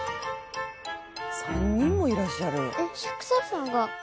３人もいらっしゃる！